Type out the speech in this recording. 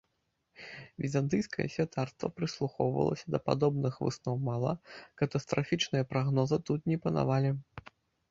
Візантыйскае святарства прыслухоўвалася да падобных высноў мала, катастрафічныя прагнозы тут не панавалі.